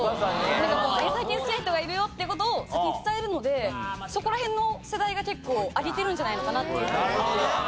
なんかもう最近好きな人がいるよっていう事を先に伝えるのでそこら辺の世代が結構上げてるんじゃないのかなっていうふうに思って。